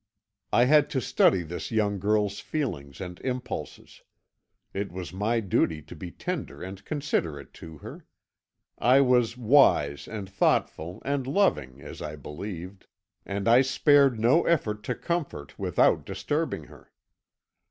I had to study this young girl's feelings and impulses; it was my duty to be tender and considerate to her. I was wise, and thoughtful, and loving, as I believed, and I spared no effort to comfort without disturbing her.